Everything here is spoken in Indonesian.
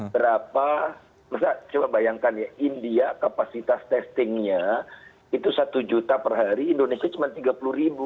berapa misalnya coba bayangkan ya india kapasitas testingnya itu satu juta per hari indonesia cuma tiga puluh ribu